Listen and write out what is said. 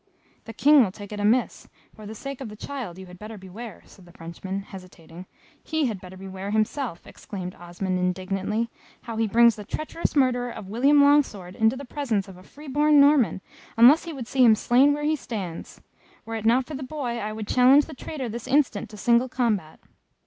"The King will take it amiss; for the sake of the child you had better beware," said the Frenchman, hesitating. "He had better beware himself," exclaimed Osmond, indignantly, "how he brings the treacherous murderer of William Longsword into the presence of a free born Norman, unless he would see him slain where he stands. Were it not for the boy, I would challenge the traitor this instant to single combat."